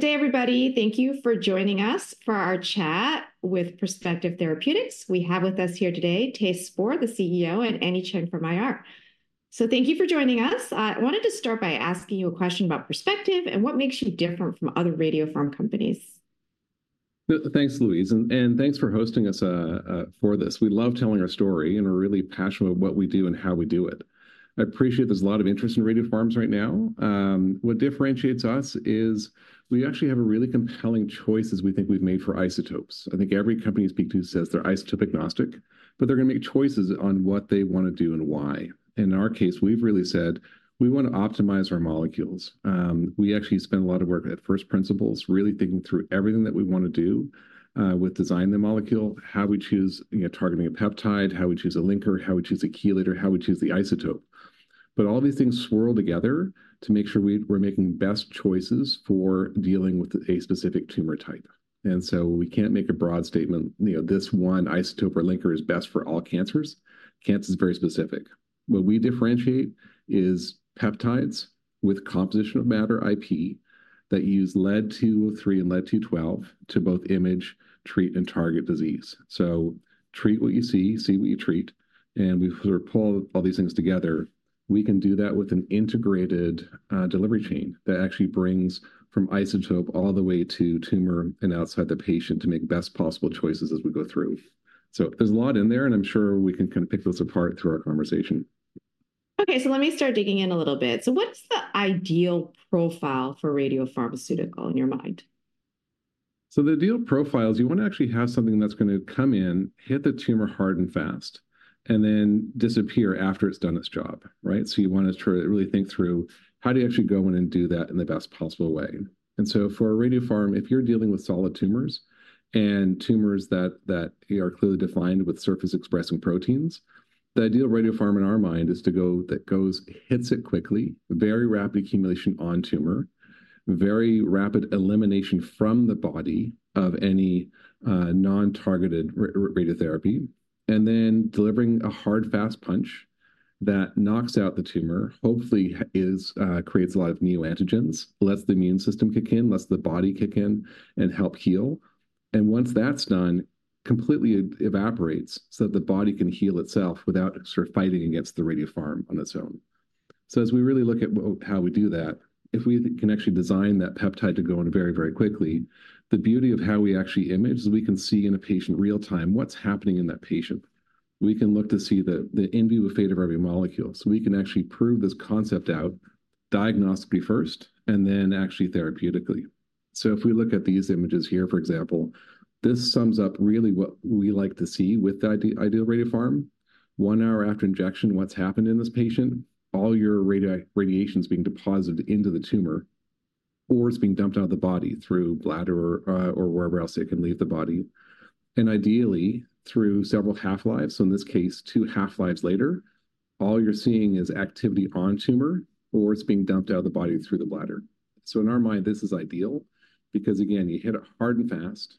Good day, everybody. Thank you for joining us for our chat with Perspective Therapeutics. We have with us here today, Thijs Spoor, the CEO, and Annie Cheng from IR. Thank you for joining us. I wanted to start by asking you a question about Perspective and what makes you different from other radiopharm companies? Thanks, Louise, and thanks for hosting us for this. We love telling our story, and we're really passionate about what we do and how we do it. I appreciate there's a lot of interest in radiopharms right now. What differentiates us is we actually have a really compelling choice as we think we've made for isotopes. I think every company you speak to says they're isotope agnostic, but they're gonna make choices on what they wanna do and why. In our case, we've really said we wanna optimize our molecules. We actually spend a lot of work at first principles, really thinking through everything that we want to do with design the molecule, how we choose, you know, targeting a peptide, how we choose a linker, how we choose a chelator, how we choose the isotope. But all these things swirl together to make sure we're making best choices for dealing with a specific tumor type. And so we can't make a broad statement, you know, this one isotope or linker is best for all cancers. Cancer is very specific. What we differentiate is peptides with composition of matter IP, that use lead-203 and lead-212 to both image, treat, and target disease. So treat what you see, see what you treat, and we sort of pull all these things together. We can do that with an integrated delivery chain that actually brings from isotope all the way to tumor and outside the patient to make best possible choices as we go through. So there's a lot in there, and I'm sure we can kind of pick those apart through our conversation. Okay, let me start digging in a little bit. What's the ideal profile for radiopharmaceutical in your mind? So the ideal profile is you wanna actually have something that's gonna come in, hit the tumor hard and fast, and then disappear after it's done its job, right? So you wanna try to really think through, how do you actually go in and do that in the best possible way? And so for a radiopharm, if you're dealing with solid tumors, and tumors that are clearly defined with surface-expressing proteins, the ideal radiopharm in our mind is that goes, hits it quickly, very rapid accumulation on tumor, very rapid elimination from the body of any non-targeted radiotherapy, and then delivering a hard, fast punch that knocks out the tumor. Hopefully creates a lot of neoantigens, lets the immune system kick in, lets the body kick in and help heal, and once that's done, completely evaporates so that the body can heal itself without sort of fighting against the radiopharm on its own. So as we really look at how we do that, if we can actually design that peptide to go in very, very quickly, the beauty of how we actually image is we can see in a patient real time what's happening in that patient. We can look to see the in vivo fate of every molecule. So we can actually prove this concept out diagnostically first, and then actually therapeutically. So if we look at these images here, for example, this sums up really what we like to see with the ideal radiopharm. One hour after injection, what's happened in this patient? All your radiation's being deposited into the tumor, or it's being dumped out of the body through bladder or, or wherever else it can leave the body, and ideally, through several half-lives, so in this case, two half-lives later, all you're seeing is activity on tumor, or it's being dumped out of the body through the bladder. So in our mind, this is ideal because, again, you hit it hard and fast,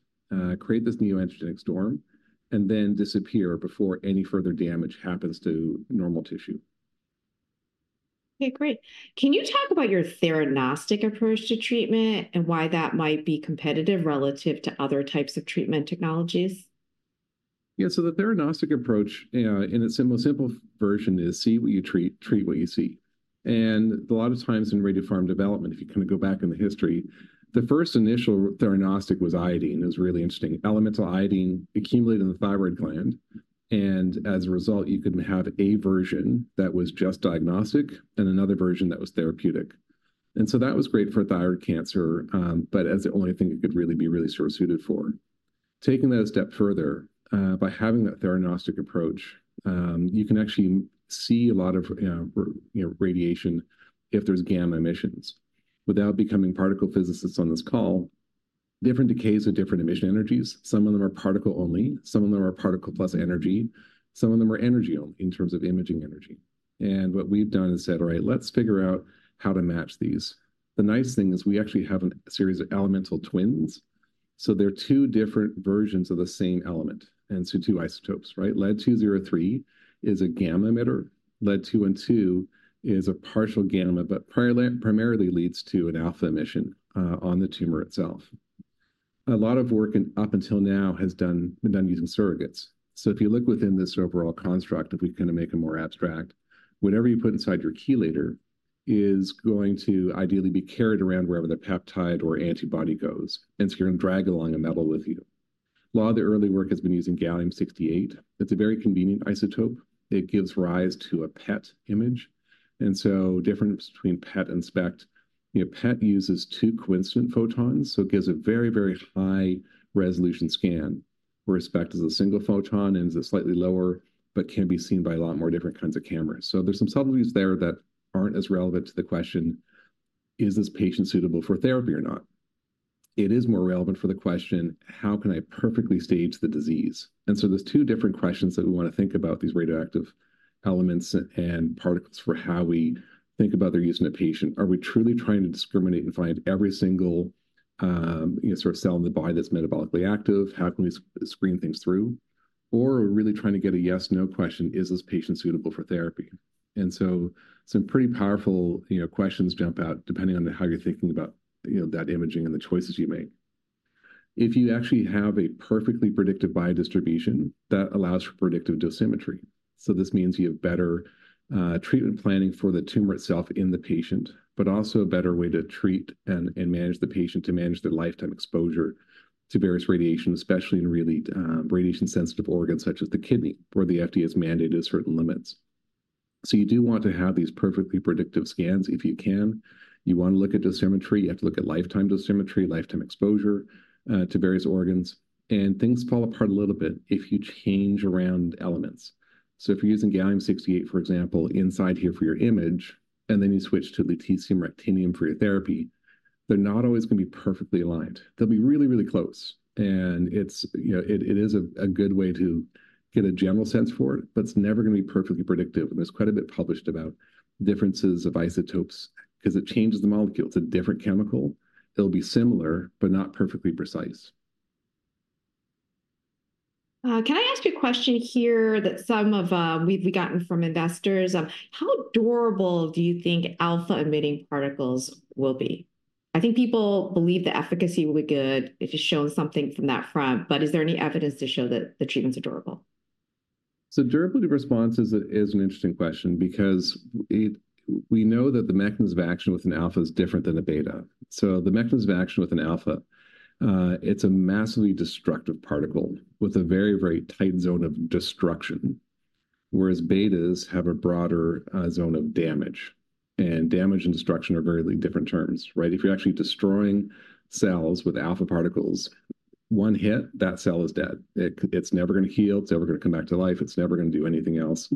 create this neoantigenic storm, and then disappear before any further damage happens to normal tissue. Okay, great. Can you talk about your theranostic approach to treatment and why that might be competitive relative to other types of treatment technologies? Yeah. So the theranostic approach, in its most simple version, is see what you treat, treat what you see. And a lot of times in radiopharm development, if you kind of go back in the history, the first initial theranostic was iodine. It was really interesting. Elemental iodine accumulated in the thyroid gland, and as a result, you could have a version that was just diagnostic and another version that was therapeutic. And so that was great for thyroid cancer, but as the only thing it could really be really sort of suited for. Taking that a step further, by having that theranostic approach, you can actually see a lot of, you know, radiation if there's gamma emissions. Without becoming particle physicists on this call, different decays have different emission energies. Some of them are particle only, some of them are particle plus energy, some of them are energy only in terms of imaging energy. What we've done is said, "All right, let's figure out how to match these." The nice thing is we actually have a series of elemental twins, so they're two different versions of the same element, and so two isotopes, right? Lead-203 is a gamma emitter. Lead-212 is a partial gamma, but primarily leads to an alpha emission on the tumor itself. A lot of work up until now has been done using surrogates. So if you look within this overall construct, if we kind of make it more abstract, whatever you put inside your chelator is going to ideally be carried around wherever the peptide or antibody goes, and so you're gonna drag along a metal with you. A lot of the early work has been using gallium-68. It's a very convenient isotope. It gives rise to a PET image. And so difference between PET and SPECT, you know, PET uses two coincident photons, so it gives a very, very high-resolution scan, whereas SPECT is a single photon and is a slightly lower, but can be seen by a lot more different kinds of cameras. So there's some subtleties there that aren't as relevant to the question: Is this patient suitable for therapy or not? It is more relevant for the question: How can I perfectly stage the disease? There's two different questions that we wanna think about these radioactive elements and particles for how we think about their use in a patient. Are we truly trying to discriminate and find every single, you know, sort of cell in the body that's metabolically active? How can we screen things through? Or really trying to get a yes, no question, is this patient suitable for therapy? Some pretty powerful, you know, questions jump out, depending on how you're thinking about, you know, that imaging and the choices you make. If you actually have a perfectly predictive biodistribution, that allows for predictive dosimetry. So this means you have better treatment planning for the tumor itself in the patient, but also a better way to treat and, and manage the patient, to manage their lifetime exposure to various radiation, especially in really radiation-sensitive organs such as the kidney, where the FDA has mandated certain limits. So you do want to have these perfectly predictive scans if you can. You want to look at dosimetry. You have to look at lifetime dosimetry, lifetime exposure to various organs. And things fall apart a little bit if you change around elements. So if you're using gallium-68, for example, inside here for your image, and then you switch to lutetium-177 for your therapy, they're not always gonna be perfectly aligned. They'll be really, really close, and it's, you know, a good way to get a general sense for it, but it's never gonna be perfectly predictive, and there's quite a bit published about differences of isotopes 'cause it changes the molecule to a different chemical. It'll be similar, but not perfectly precise. Can I ask you a question here that some of, we've gotten from investors of, how durable do you think alpha-emitting particles will be? I think people believe the efficacy will be good if you've shown something from that front, but is there any evidence to show that the treatment's durable? So durability response is an interesting question because, we know that the mechanism of action with an alpha is different than a beta. So the mechanism of action with an alpha, it's a massively destructive particle with a very, very tight zone of destruction, whereas betas have a broader zone of damage. And damage and destruction are very different terms, right? If you're actually destroying cells with alpha particles, one hit, that cell is dead. It's never gonna heal, it's never gonna come back to life, it's never gonna do anything else,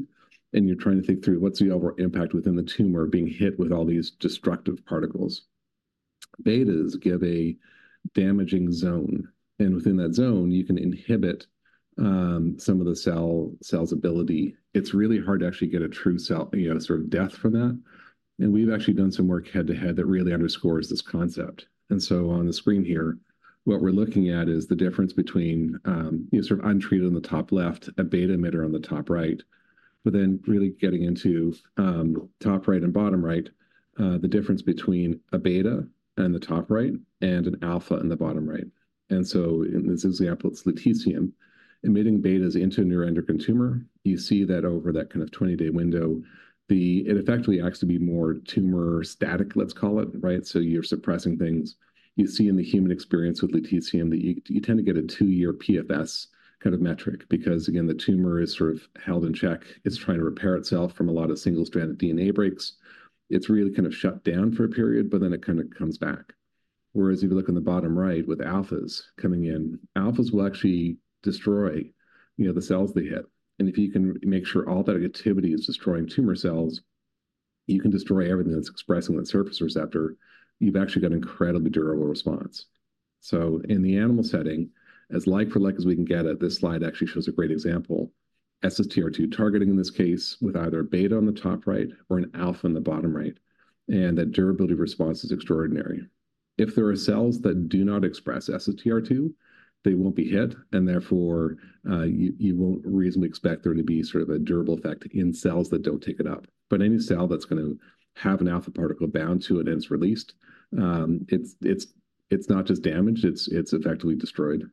and you're trying to think through what's the overall impact within the tumor being hit with all these destructive particles. Betas give a damaging zone, and within that zone, you can inhibit some of the cell's ability. It's really hard to actually get a true cell, you know, sort of death from that, and we've actually done some work head-to-head that really underscores this concept. So on the screen here, what we're looking at is the difference between, you know, sort of untreated on the top left, a beta emitter on the top right. But then really getting into top right and bottom right, the difference between a beta in the top right and an alpha in the bottom right. So in this example, it's lutetium-emitting betas into neuroendocrine tumor. You see that over that kind of 20-day window, the it effectively acts to be more tumor static, let's call it, right? So you're suppressing things. You see in the human experience with lutetium that you, you tend to get a two-year PFS kind of metric. Because, again, the tumor is sort of held in check. It's trying to repair itself from a lot of single-stranded DNA breaks. It's really kind of shut down for a period, but then it kind of comes back. Whereas if you look on the bottom right with alphas coming in, alphas will actually destroy, you know, the cells they hit. And if you can make sure all that activity is destroying tumor cells, you can destroy everything that's expressing that surface receptor. You've actually got an incredibly durable response. So in the animal setting, as like for like as we can get it, this slide actually shows a great example. SSTR2 targeting, in this case, with either a beta on the top right or an alpha in the bottom right, and that durability response is extraordinary. If there are cells that do not express SSTR2, they won't be hit, and therefore, you won't reasonably expect there to be sort of a durable effect in cells that don't take it up. But any cell that's gonna have an alpha particle bound to it and it's released, it's not just damaged, it's effectively destroyed.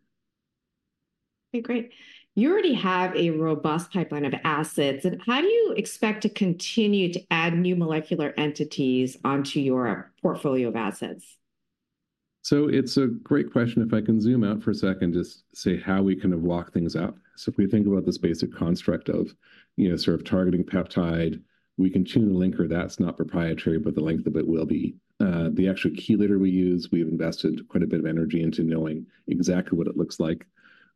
Okay, great. You already have a robust pipeline of assets, and how do you expect to continue to add new molecular entities onto your portfolio of assets? So it's a great question. If I can zoom out for a second, just say how we kind of walk things out. So if we think about this basic construct of, you know, sort of targeting peptide, we can tune the linker. That's not proprietary, but the length of it will be. The actual chelator we use, we've invested quite a bit of energy into knowing exactly what it looks like.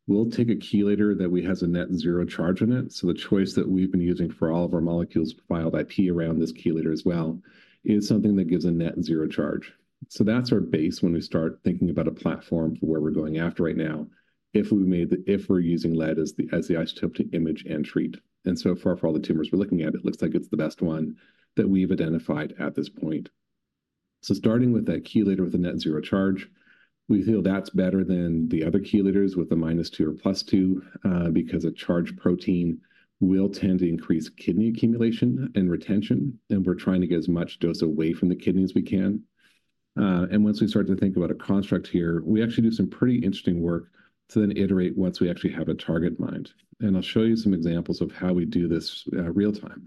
We'll take a chelator that we have a net zero charge in it, so the choice that we've been using for all of our molecules, filed IP around this chelator as well, is something that gives a net zero charge. So that's our base when we start thinking about a platform for where we're going after right now. If we're using lead as the, as the isotope to image and treat, and so far, for all the tumors we're looking at, it looks like it's the best one that we've identified at this point. So starting with that chelator with a net-zero charge, we feel that's better than the other chelators with a minus two or plus two, because a charged protein will tend to increase kidney accumulation and retention, and we're trying to get as much dose away from the kidney as we can. And once we start to think about a construct here, we actually do some pretty interesting work to then iterate once we actually have a target in mind. And I'll show you some examples of how we do this, real-time.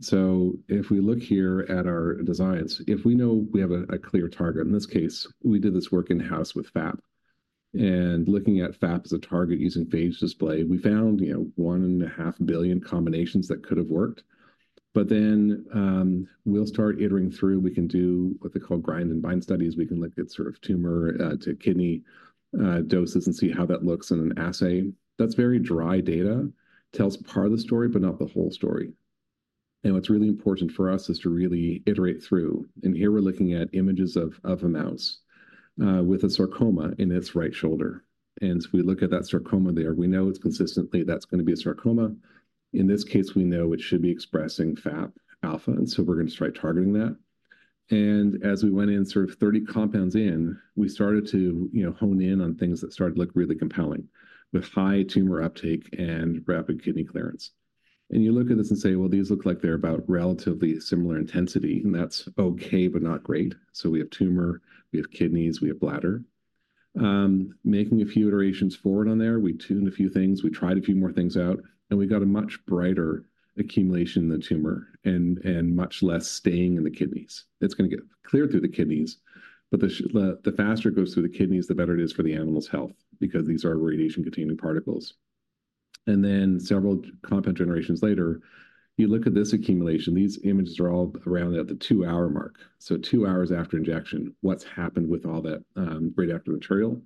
So if we look here at our designs, if we know we have a clear target, in this case, we did this work in-house with FAP. And looking at FAP as a target using phage display, we found, you know, 1.5 billion combinations that could have worked. But then we'll start iterating through. We can do what they call grind and bind studies. We can look at sort of tumor to kidney doses and see how that looks in an assay. That's very dry data. Tells part of the story, but not the whole story. And what's really important for us is to really iterate through, and here we're looking at images of a mouse with a sarcoma in its right shoulder. And if we look at that sarcoma there, we know it's consistently, that's gonna be a sarcoma. In this case, we know it should be expressing FAP-alpha, and so we're gonna start targeting that. And as we went in, sort of 30 compounds in, we started to, you know, hone in on things that started to look really compelling, with high tumor uptake and rapid kidney clearance. And you look at this and say, "Well, these look like they're about relatively similar intensity," and that's okay, but not great. So we have tumor, we have kidneys, we have bladder. Making a few iterations forward on there, we tuned a few things, we tried a few more things out, and we got a much brighter accumulation in the tumor and, and much less staying in the kidneys. It's gonna get cleared through the kidneys, but the faster it goes through the kidneys, the better it is for the animal's health, because these are radiation-containing particles. Then, several compound generations later, you look at this accumulation. These images are all around at the two-hour mark, so two hours after injection. What's happened with all that radioactive material?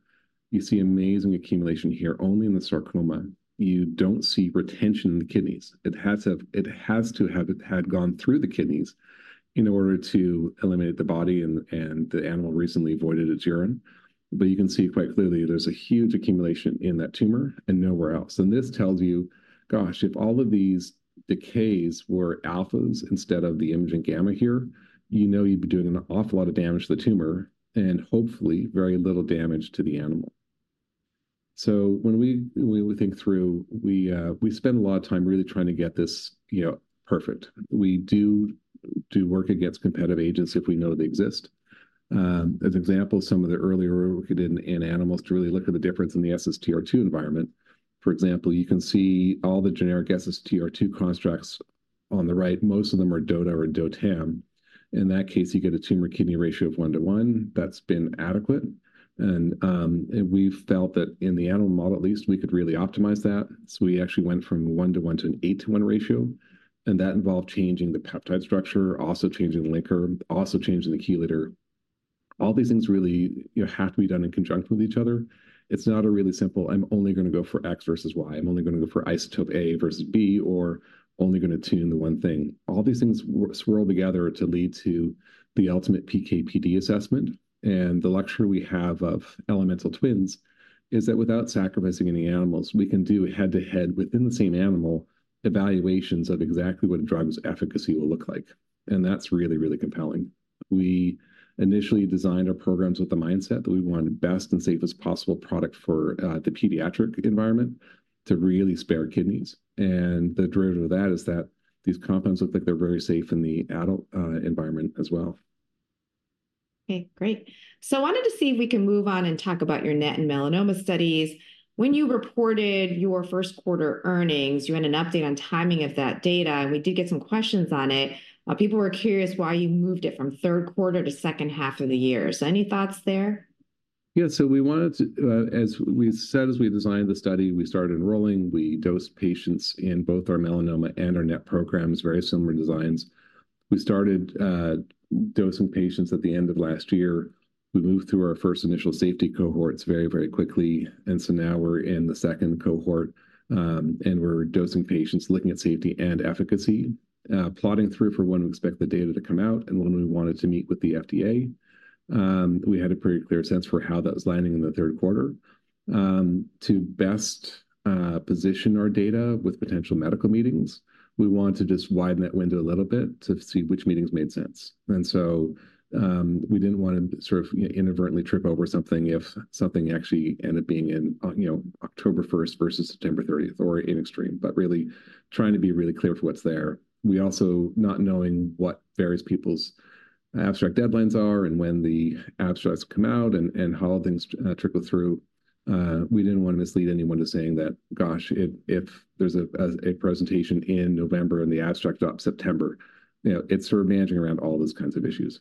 You see amazing accumulation here, only in the sarcoma. You don't see retention in the kidneys. It has to have had gone through the kidneys in order to eliminate the body, and the animal recently voided its urine. But you can see quite clearly there's a huge accumulation in that tumor and nowhere else, and this tells you, gosh, if all of these decays were alphas instead of the imaging gamma here, you know you'd be doing an awful lot of damage to the tumor and hopefully very little damage to the animal. So when we think through, we spend a lot of time really trying to get this, you know, perfect. We do work against competitive agents if we know they exist. As an example, some of the earlier work we did in animals to really look at the difference in the SSTR2 environment. For example, you can see all the generic SSTR2 constructs on the right. Most of them are DOTA or DOTAM. In that case, you get a tumor-kidney ratio of one to one. That's been adequate, and and we felt that in the animal model at least, we could really optimize that. So we actually went from a 1-to-1 to an 8-to-1 ratio, and that involved changing the peptide structure, also changing the linker, also changing the chelator. All these things really, you know, have to be done in conjunction with each other. It's not a really simple, "I'm only gonna go for X versus Y. I'm only gonna go for isotope A versus B, or only gonna tune the one thing." All these things swirl together to lead to the ultimate PK/PD assessment, and the lecture we have of elemental twins is that without sacrificing any animals, we can do head-to-head, within the same animal, evaluations of exactly what a drug's efficacy will look like, and that's really, really compelling. We initially designed our programs with the mindset that we want best and safest possible product for the pediatric environment, to really spare kidneys. And the derivative of that is that these compounds look like they're very safe in the adult environment as well. Okay, great. So I wanted to see if we can move on and talk about your NET and melanoma studies. When you reported your first quarter earnings, you had an update on timing of that data, and we did get some questions on it. People were curious why you moved it from third quarter to second half of the year. So any thoughts there? Yeah, so we wanted to. As we said, as we designed the study, we started enrolling. We dosed patients in both our melanoma and our NET programs, very similar designs. We started dosing patients at the end of last year. We moved through our first initial safety cohorts very, very quickly, and so now we're in the second cohort. And we're dosing patients, looking at safety and efficacy. Plotting through for when we expect the data to come out and when we wanted to meet with the FDA, we had a pretty clear sense for how that was landing in the third quarter. To best position our data with potential medical meetings, we wanted to just widen that window a little bit to see which meetings made sense. And so, we didn't wanna sort of, you know, inadvertently trip over something if something actually ended up being in, on, you know, October first versus September 30th, or in extreme, but really trying to be really clear for what's there. We also, not knowing what various people's abstract deadlines are and when the abstracts come out and how things trickle through, we didn't wanna mislead anyone to saying that, "Gosh, if there's a presentation in November and the abstract up September." You know, it's sort of managing around all those kinds of issues.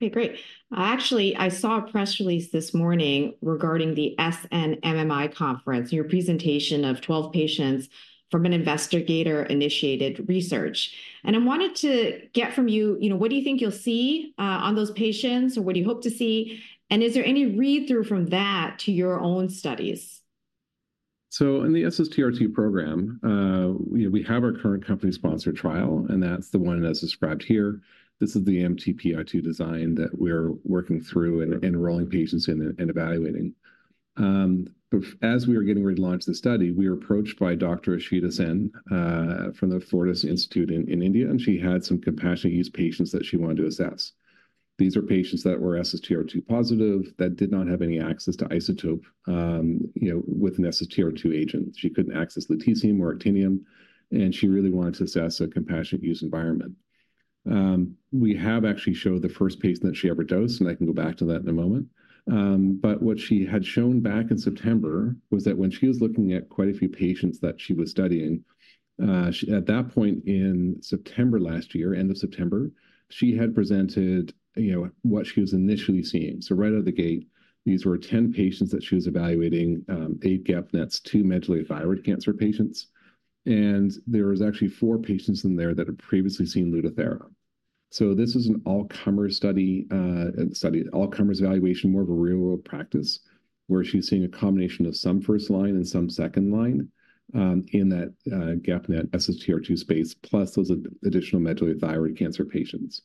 Okay, great. Actually, I saw a press release this morning regarding the SNMMI conference, your presentation of 12 patients from an investigator-initiated research. I wanted to get from you, you know, what do you think you'll see on those patients, or what do you hope to see? Is there any read-through from that to your own studies? So in the SSTR2 program, you know, we have our current company-sponsored trial, and that's the one that's described here. This is the mTPI-2 design that we're working through and enrolling patients in and evaluating. But as we were getting ready to launch the study, we were approached by Dr. Ishita Sen from the Fortis Institute in India, and she had some compassionate-use patients that she wanted to assess. These are patients that were SSTR2 positive that did not have any access to isotope, you know, with an SSTR2 agent. She couldn't access lutetium or actinium, and she really wanted to assess a compassionate-use environment. We have actually showed the first patient that she ever dosed, and I can go back to that in a moment. But what she had shown back in September was that when she was looking at quite a few patients that she was studying. At that point in September last year, end of September, she had presented, you know, what she was initially seeing. So right out of the gate, these were 10 patients that she was evaluating, eight GEP-NETs, two medullary thyroid cancer patients, and there was actually four patients in there that had previously seen Lutathera. So this is an all-comer study, all-comers evaluation, more of a real-world practice, where she's seeing a combination of some first line and some second line, in that GEP-NET SSTR2 space, plus those additional medullary thyroid cancer patients.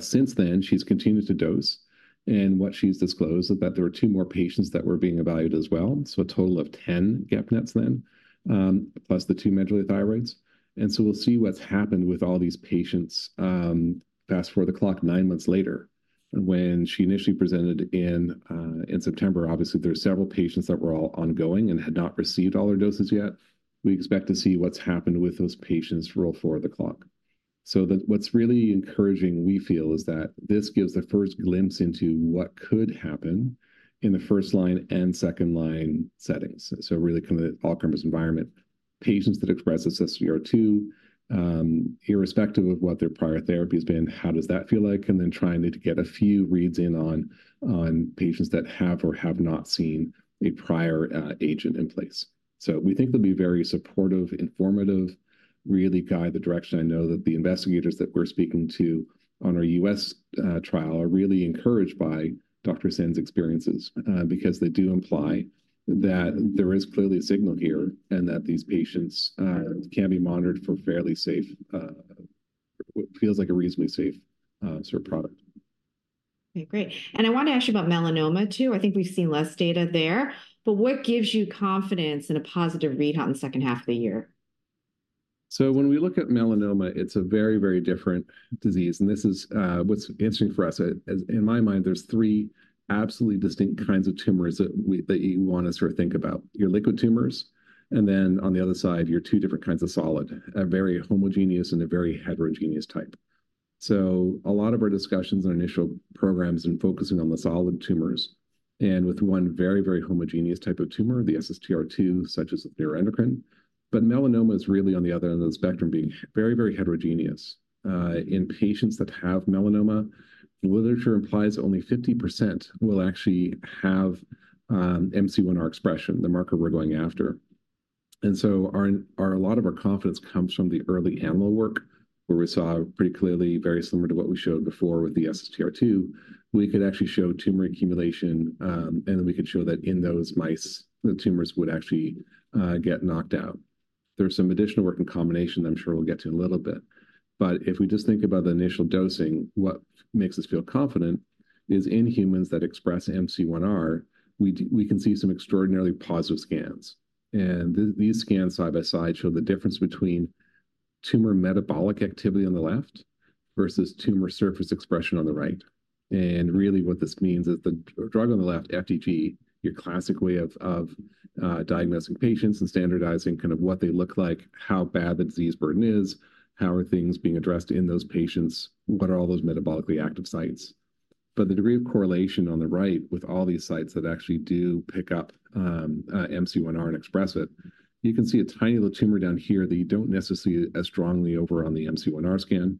Since then, she's continued to dose, and what she's disclosed is that there were two more patients that were being evaluated as well, so a total of 10 GEP-NETs then, plus the two medullary thyroids. So we'll see what's happened with all these patients. Fast-forward the clock nine months later, when she initially presented in September, obviously, there were several patients that were all ongoing and had not received all their doses yet. We expect to see what's happened with those patients, roll forward the clock. So what's really encouraging, we feel, is that this gives the first glimpse into what could happen in the first line and second line settings, so really kind of all-comers environment. Patients that express SSTR2, irrespective of what their prior therapy has been, how does that feel like? And then trying to get a few reads in on patients that have or have not seen a prior agent in place. So we think they'll be very supportive, informative, really guide the direction. I know that the investigators that we're speaking to on our U.S. trial are really encouraged by Dr. Sen's experiences, because they do imply that there is clearly a signal here and that these patients can be monitored for fairly safe, what feels like a reasonably safe sort of product. Okay, great. And I wanted to ask you about melanoma, too. I think we've seen less data there, but what gives you confidence in a positive read on the second half of the year? So when we look at melanoma, it's a very, very different disease, and this is what's interesting for us. As in my mind, there's three absolutely distinct kinds of tumors that we- that you want to sort of think about. Your liquid tumors, and then on the other side, your two different kinds of solid, a very homogeneous and a very heterogeneous type. So a lot of our discussions on initial programs and focusing on the solid tumors, and with one very, very homogeneous type of tumor, the SSTR2, such as neuroendocrine. But melanoma is really on the other end of the spectrum, being very, very heterogeneous. In patients that have melanoma, the literature implies only 50% will actually have MC1R expression, the marker we're going after. And so our, our... A lot of our confidence comes from the early animal work, where we saw pretty clearly, very similar to what we showed before with the SSTR2, we could actually show tumor accumulation, and then we could show that in those mice, the tumors would actually get knocked out. There's some additional work in combination that I'm sure we'll get to in a little bit. But if we just think about the initial dosing, what makes us feel confident is in humans that express MC1R, we can see some extraordinarily positive scans. And these scans, side by side, show the difference between tumor metabolic activity on the left versus tumor surface expression on the right. And really, what this means is the drug on the left, FDG, your classic way of diagnosing patients and standardizing kind of what they look like, how bad the disease burden is, how are things being addressed in those patients, what are all those metabolically active sites? But the degree of correlation on the right with all these sites that actually do pick up MC1R and express it, you can see a tiny little tumor down here that you don't necessarily as strongly over on the MC1R scan.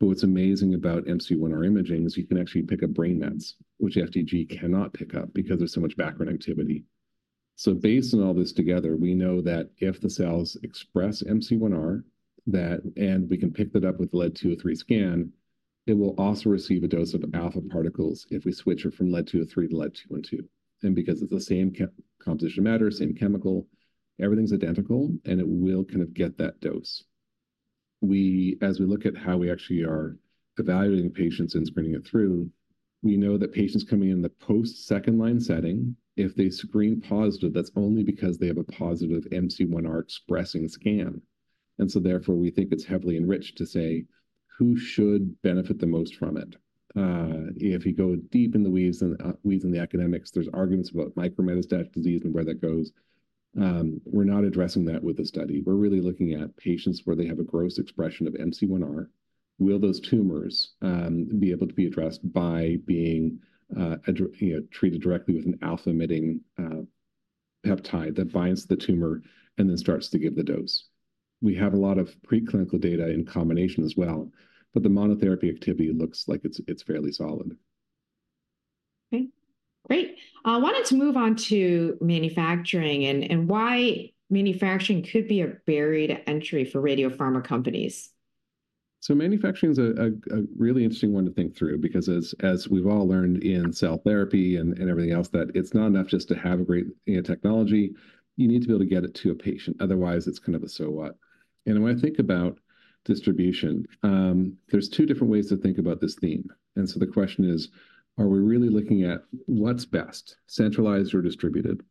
But what's amazing about MC1R imaging is you can actually pick up brain mets, which FDG cannot pick up because there's so much background activity. So based on all this together, we know that if the cells express MC1R, that... And we can pick that up with the lead-203 scan, it will also receive a dose of alpha particles if we switch it from lead-203 to lead-212. And because it's the same composition of matter, same chemical, everything's identical, and it will kind of get that dose. We, as we look at how we actually are evaluating patients and screening it through, we know that patients coming in the post-second line setting, if they screen positive, that's only because they have a positive MC1R expressing scan. And so therefore, we think it's heavily enriched to say, "Who should benefit the most from it?" If you go deep in the weeds and the academics, there's arguments about micrometastatic disease and where that goes. We're not addressing that with the study. We're really looking at patients where they have a gross expression of MC1R. Will those tumors be able to be addressed by being, you know, treated directly with an alpha-emitting peptide that binds the tumor and then starts to give the dose? We have a lot of preclinical data in combination as well, but the monotherapy activity looks like it's fairly solid. Okay, great. I wanted to move on to manufacturing and why manufacturing could be a buried entry for radiopharma companies. So manufacturing is a really interesting one to think through because as we've all learned in cell therapy and everything else, that it's not enough just to have a great, you know, technology. You need to be able to get it to a patient, otherwise, it's kind of a so what? And when I think about distribution, there's two different ways to think about this theme. And so the question is, are we really looking at what's best, centralized or distributed?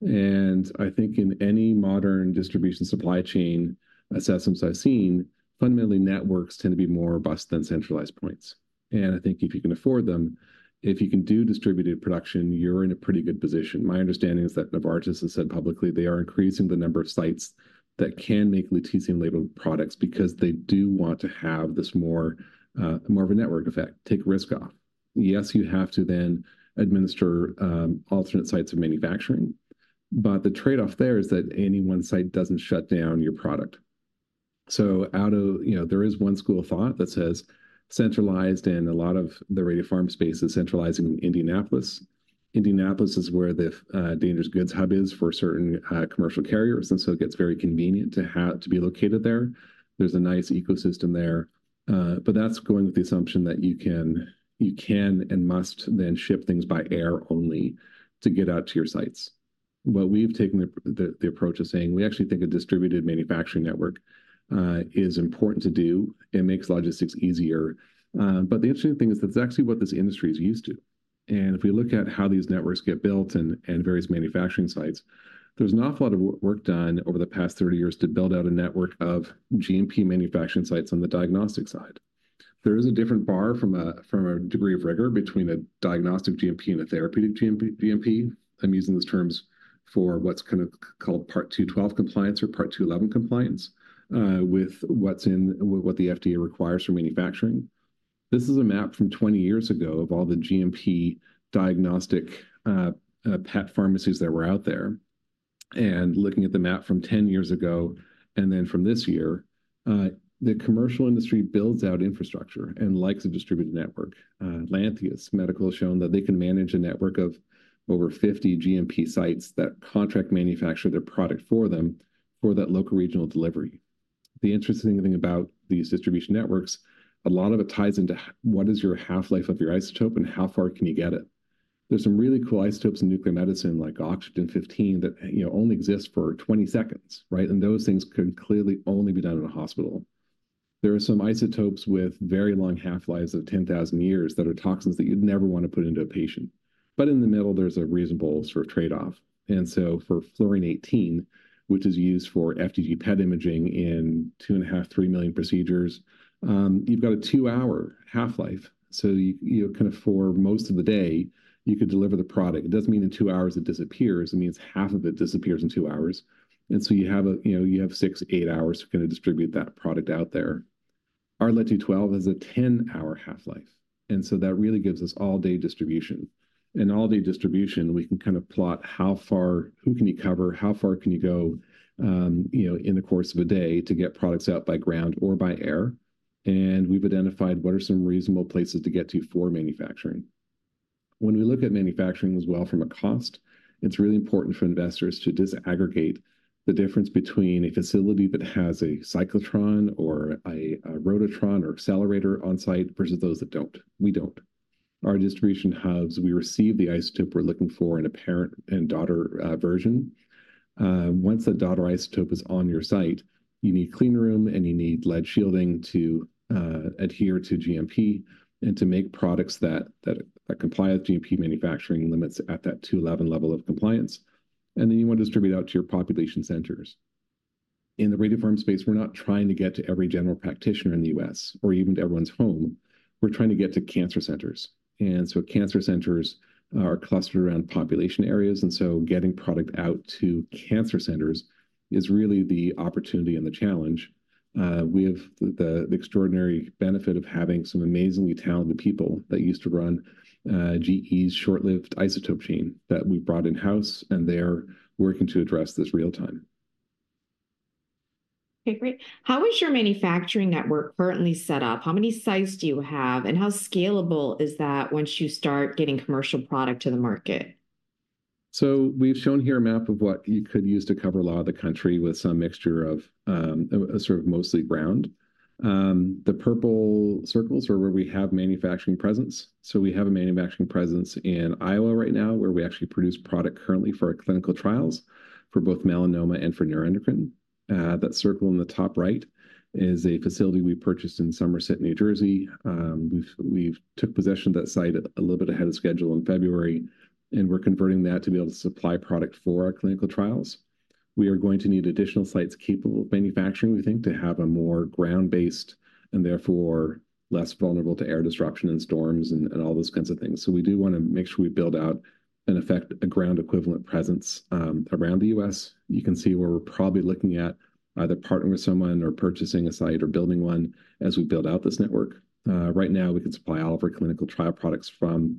And I think in any modern distribution supply chain, as we've seen, fundamentally, networks tend to be more robust than centralized points. And I think if you can afford them, if you can do distributed production, you're in a pretty good position. My understanding is that Novartis has said publicly they are increasing the number of sites that can make lutetium-labeled products because they do want to have this more, more of a network effect, take risk off. Yes, you have to then administer, alternate sites of manufacturing, but the trade-off there is that any one site doesn't shut down your product. So, you know, there is one school of thought that says centralized, and a lot of the radiopharm space is centralizing in Indianapolis. Indianapolis is where the dangerous goods hub is for certain commercial carriers, and so it gets very convenient to have to be located there. There's a nice ecosystem there, but that's going with the assumption that you can, you can and must then ship things by air only to get out to your sites. Well, we've taken the approach of saying we actually think a distributed manufacturing network is important to do. It makes logistics easier. But the interesting thing is that's actually what this industry is used to. And if we look at how these networks get built and various manufacturing sites, there's an awful lot of work done over the past 30 years to build out a network of GMP manufacturing sites on the diagnostic side. There is a different bar from a degree of rigor between a diagnostic GMP and a therapeutic GMP. I'm using those terms for what's kind of called Part 212 compliance or Part 211 compliance with what the FDA requires for manufacturing. This is a map from 20 years ago of all the GMP diagnostic PET pharmacies that were out there. And looking at the map from 10 years ago and then from this year, the commercial industry builds out infrastructure and likes a distributed network. Lantheus Medical has shown that they can manage a network of over 50 GMP sites that contract manufacture their product for them for that local regional delivery. The interesting thing about these distribution networks, a lot of it ties into what is your half-life of your isotope, and how far can you get it? There's some really cool isotopes in nuclear medicine, like oxygen-15, that, you know, only exist for 20 seconds, right? And those things can clearly only be done in a hospital. There are some isotopes with very long half-lives of 10,000 years that are toxins that you'd never wanna put into a patient. But in the middle, there's a reasonable sort of trade-off. And so for fluorine-18, which is used for FDG PET imaging in 2.5 million-3 million procedures, you've got a two-hour half-life. So you know, kind of for most of the day, you could deliver the product. It doesn't mean in two hours it disappears. It means half of it disappears in two hours, and so you have a... You know, you have six to eight hours to kinda distribute that product out there. Lead-212 has a 10-hour half-life, and so that really gives us all-day distribution. In all-day distribution, we can kind of plot how far—who can you cover, how far can you go, you know, in the course of a day to get products out by ground or by air? And we've identified what are some reasonable places to get to for manufacturing. When we look at manufacturing as well from a cost, it's really important for investors to disaggregate the difference between a facility that has a cyclotron or a Rhodotron or accelerator on site versus those that don't. We don't. Our distribution hubs, we receive the isotope we're looking for in a parent-and-daughter version. Once the daughter isotope is on your site, you need clean room, and you need lead shielding to adhere to GMP and to make products that comply with GMP manufacturing limits at that 211 level of compliance, and then you wanna distribute out to your population centers. In the radiopharm space, we're not trying to get to every general practitioner in the U.S. or even to everyone's home. We're trying to get to cancer centers, and so cancer centers are clustered around population areas, and so getting product out to cancer centers is really the opportunity and the challenge. We have the extraordinary benefit of having some amazingly talented people that used to run GE's short-lived isotope team that we brought in-house, and they are working to address this real time. Okay, great. How is your manufacturing network currently set up? How many sites do you have, and how scalable is that once you start getting commercial product to the market? So we've shown here a map of what you could use to cover a lot of the country with some mixture of a sort of mostly ground. The purple circles are where we have manufacturing presence. We have a manufacturing presence in Iowa right now, where we actually produce product currently for our clinical trials for both melanoma and for neuroendocrine. That circle in the top right is a facility we purchased in Somerset, New Jersey. We've took possession of that site a little bit ahead of schedule in February, and we're converting that to be able to supply product for our clinical trials. We are going to need additional sites capable of manufacturing, we think, to have a more ground-based and therefore less vulnerable to air disruption and storms and all those kinds of things. So we do wanna make sure we build out, in effect, a ground-equivalent presence, around the U.S. You can see where we're probably looking at either partnering with someone or purchasing a site or building one as we build out this network. Right now, we can supply all of our clinical trial products from,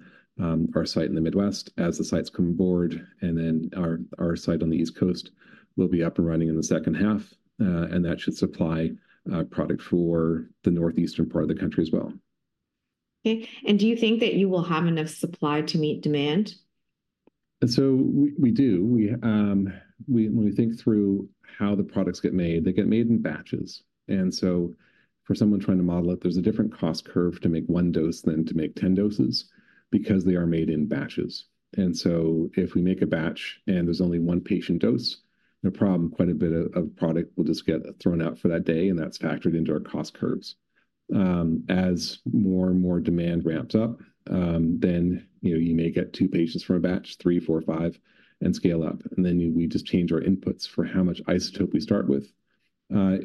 our site in the Midwest as the sites come board, and then our site on the East Coast will be up and running in the second half. And that should supply product for the northeastern part of the country as well. Okay, and do you think that you will have enough supply to meet demand? And so we do. When we think through how the products get made, they get made in batches. And so for someone trying to model it, there's a different cost curve to make one dose than to make 10 doses because they are made in batches. And so if we make a batch and there's only one patient dose, no problem, quite a bit of product will just get thrown out for that day, and that's factored into our cost curves. As more and more demand ramps up, then, you know, you may get two patients from a batch, three, four, or five, and scale up, and then we just change our inputs for how much isotope we start with,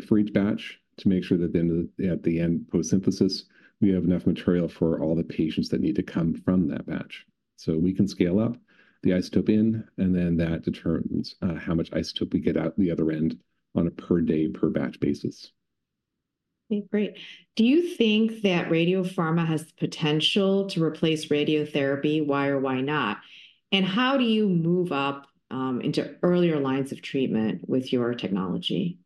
for each batch to make sure that then at the end, post-synthesis, we have enough material for all the patients that need to come from that batch. So we can scale up the isotope in, and then that determines, how much isotope we get out the other end on a per-day, per-batch basis. Okay, great. Do you think that radiopharma has the potential to replace radiotherapy? Why or why not? And how do you move up into earlier lines of treatment with your technology?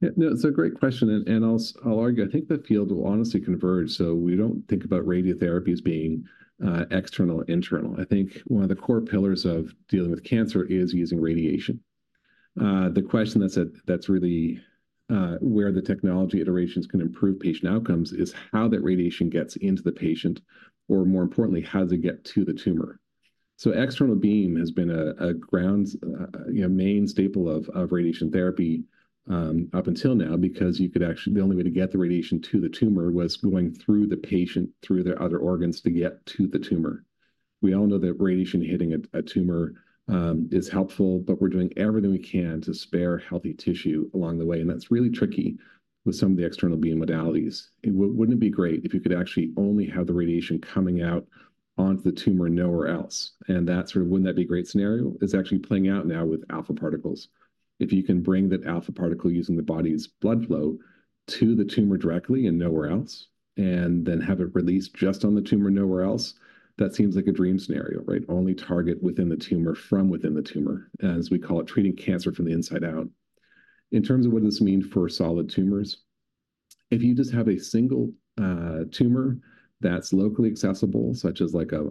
Yeah. No, it's a great question, and I'll argue, I think the field will honestly converge, so we don't think about radiotherapy as being external or internal. I think one of the core pillars of dealing with cancer is using radiation. The question that's really where the technology iterations can improve patient outcomes is how that radiation gets into the patient, or more importantly, how does it get to the tumor? So external beam has been a grounds, you know, main staple of radiation therapy up until now because you could actually... The only way to get the radiation to the tumor was going through the patient, through their other organs, to get to the tumor. We all know that radiation hitting a tumor is helpful, but we're doing everything we can to spare healthy tissue along the way, and that's really tricky with some of the external beam modalities. It wouldn't it be great if you could actually only have the radiation coming out onto the tumor and nowhere else? And that sort of wouldn't that be great scenario is actually playing out now with alpha particles. If you can bring that alpha particle using the body's blood flow to the tumor directly and nowhere else, and then have it released just on the tumor, nowhere else, that seems like a dream scenario, right? Only target within the tumor from within the tumor, as we call it, treating cancer from the inside out. In terms of what this mean for solid tumors, if you just have a single, tumor that's locally accessible, such as like a,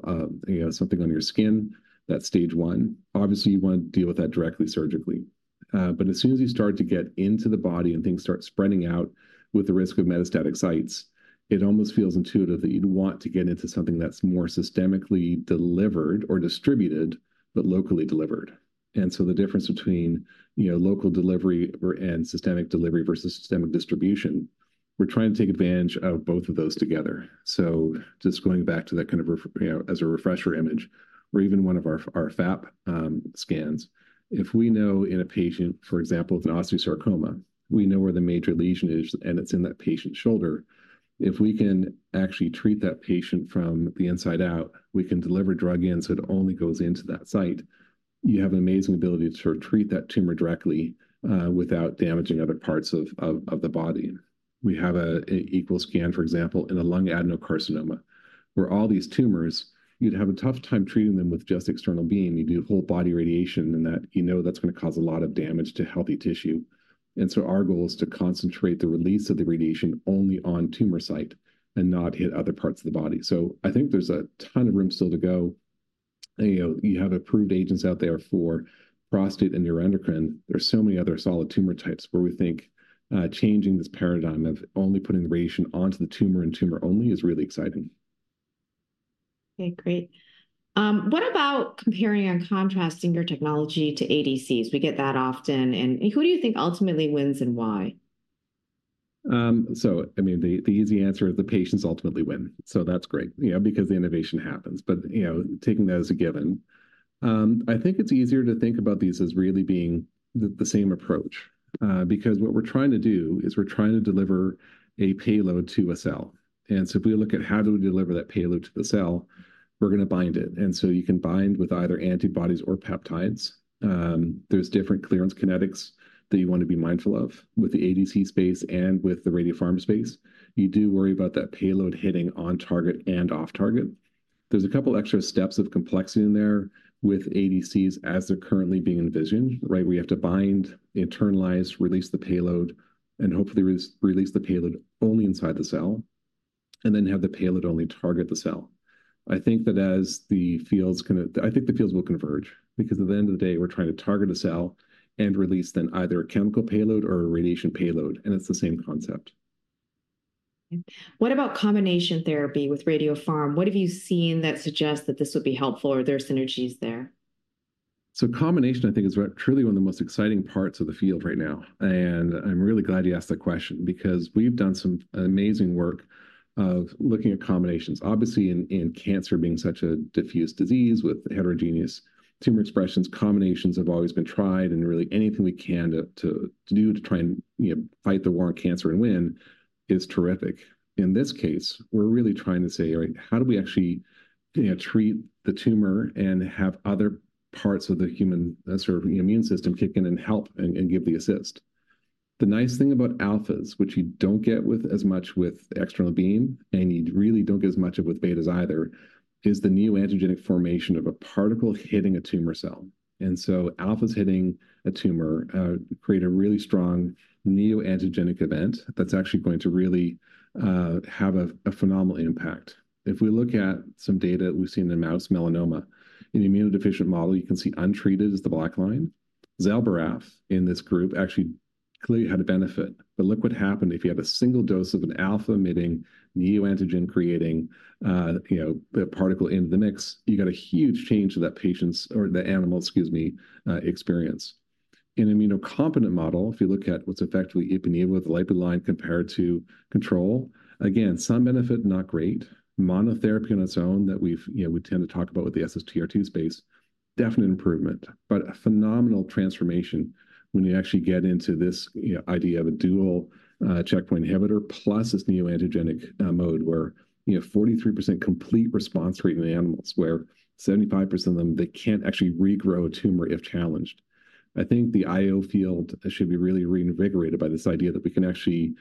you know, something on your skin, that's stage one, obviously, you wanna deal with that directly surgically. But as soon as you start to get into the body and things start spreading out with the risk of metastatic sites, it almost feels intuitive that you'd want to get into something that's more systemically delivered or distributed, but locally delivered. And so the difference between, you know, local delivery or, and systemic delivery versus systemic distribution, we're trying to take advantage of both of those together. So just going back to that kind of ref... You know, as a refresher image, or even one of our, our FAP scans, if we know in a patient, for example, with an osteosarcoma, we know where the major lesion is, and it's in that patient's shoulder, if we can actually treat that patient from the inside out, we can deliver drug in so it only goes into that site. You have an amazing ability to sort of treat that tumor directly, without damaging other parts of the body. We have a Gallium scan, for example, in a lung adenocarcinoma, where all these tumors, you'd have a tough time treating them with just external beam. You'd do whole body radiation, and that, you know that's gonna cause a lot of damage to healthy tissue. Our goal is to concentrate the release of the radiation only on tumor site and not hit other parts of the body. So I think there's a ton of room still to go. You know, you have approved agents out there for prostate and neuroendocrine. There's so many other solid tumor types where we think, changing this paradigm of only putting radiation onto the tumor and tumor only is really exciting. Okay, great. What about comparing and contrasting your technology to ADCs? We get that often, and who do you think ultimately wins, and why? So I mean, the easy answer is the patients ultimately win, so that's great, you know, because the innovation happens. But, you know, taking that as a given, I think it's easier to think about these as really being the same approach. Because what we're trying to do is we're trying to deliver a payload to a cell. And so if we look at how do we deliver that payload to the cell, we're gonna bind it. And so you can bind with either antibodies or peptides. There's different clearance kinetics that you wanna be mindful of with the ADC space and with the Radiopharm space. You do worry about that payload hitting on target and off target. There's a couple extra steps of complexity in there with ADCs as they're currently being envisioned, right? We have to bind, internalize, release the payload, and hopefully release the payload only inside the cell, and then have the payload only target the cell. I think that as the fields kinda... I think the fields will converge because at the end of the day, we're trying to target a cell and release then either a chemical payload or a radiation payload, and it's the same concept. What about combination therapy with Radiopharm? What have you seen that suggests that this would be helpful, or there are synergies there? Combination, I think, is right, truly one of the most exciting parts of the field right now. I'm really glad you asked that question because we've done some amazing work of looking at combinations. Obviously, in cancer being such a diffuse disease with heterogeneous tumor expressions, combinations have always been tried, and really anything we can do to try and, you know, fight the war on cancer and win is terrific. In this case, we're really trying to say, "All right, how do we actually, you know, treat the tumor and have other parts of the human, sort of immune system kick in and help and, and give the assist?" The nice thing about alphas, which you don't get with as much with external beam, and you really don't get as much of with betas either, is the neoantigenic formation of a particle hitting a tumor cell. And so alphas hitting a tumor, create a really strong neoantigenic event that's actually going to really, have a, a phenomenal impact. If we look at some data we've seen in mouse melanoma, in immunodeficient model, you can see untreated is the black line. Zelboraf in this group actually clearly had a benefit. But look what happened if you had a single dose of an alpha-emitting, neoantigen creating, you know, a particle into the mix, you got a huge change to that patient's or the animal's, excuse me, experience. In immunocompetent model, if you look at what's effectively Ipi/Nivo with the lipid line compared to control, again, some benefit, not great. Monotherapy on its own, that we've, you know, we tend to talk about with the SSTR2 space, definite improvement. But a phenomenal transformation when you actually get into this, you know, idea of a dual, checkpoint inhibitor, plus this neoantigenic, mode, where, you know, 43% complete response rate in the animals, where 75% of them, they can't actually regrow a tumor if challenged. I think the IO field should be really reinvigorated by this idea that we can actually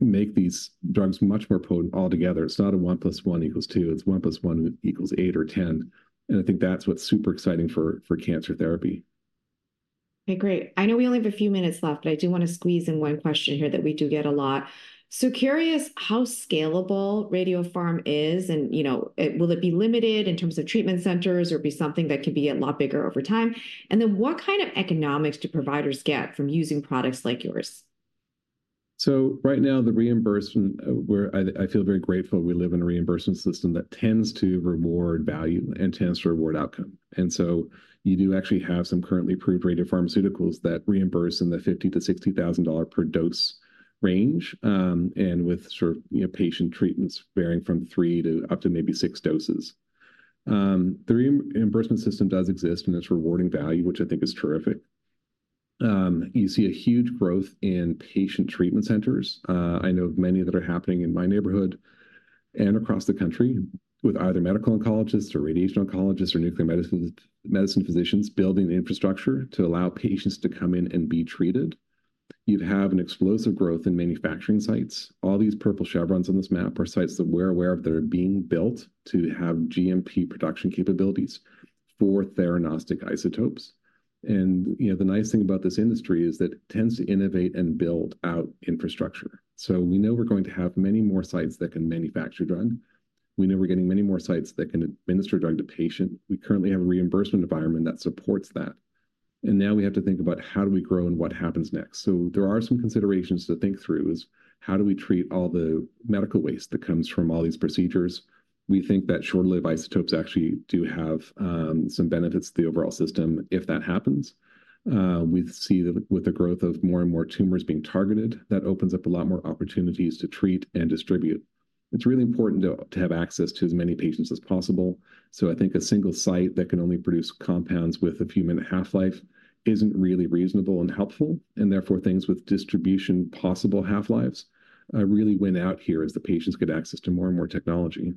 make these drugs much more potent altogether. It's not a 1 + 1 = 2, it's 1 + 1 = 8 or 10, and I think that's what's super exciting for cancer therapy. Okay, great. I know we only have a few minutes left, but I do wanna squeeze in one question here that we do get a lot. So curious how scalable radiopharm is, and, you know, it... Will it be limited in terms of treatment centers or be something that could be a lot bigger over time? And then what kind of economics do providers get from using products like yours? So right now, the reimbursement, we're, I feel very grateful we live in a reimbursement system that tends to reward value and tends to reward outcome. And so you do actually have some currently pre-rated pharmaceuticals that reimburse in the $50,000-$60,000 per dose range, and with sort of, you know, patient treatments varying from three to up to maybe six doses. The reimbursement system does exist, and it's rewarding value, which I think is terrific. You see a huge growth in patient treatment centers. I know of many that are happening in my neighborhood and across the country with either medical oncologists or radiation oncologists or nuclear medicine physicians building the infrastructure to allow patients to come in and be treated. You'd have an explosive growth in manufacturing sites. All these purple chevrons on this map are sites that we're aware of that are being built to have GMP production capabilities for theranostic isotopes. And, you know, the nice thing about this industry is that it tends to innovate and build out infrastructure. So we know we're going to have many more sites that can manufacture drug. We know we're getting many more sites that can administer drug to patient. We currently have a reimbursement environment that supports that, and now we have to think about how do we grow and what happens next. So there are some considerations to think through, is how do we treat all the medical waste that comes from all these procedures? We think that short-lived isotopes actually do have some benefits to the overall system if that happens. We see that with the growth of more and more tumors being targeted, that opens up a lot more opportunities to treat and distribute. It's really important to, to have access to as many patients as possible, so I think a single site that can only produce compounds with a few-minute half-life isn't really reasonable and helpful, and therefore, things with distribution, possible half-lives, really win out here as the patients get access to more and more technology.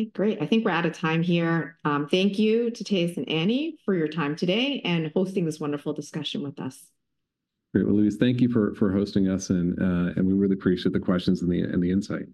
Okay, great. I think we're out of time here. Thank you to Thijs and Annie for your time today and hosting this wonderful discussion with us. Great. Well, Louise, thank you for hosting us, and we really appreciate the questions and the insight.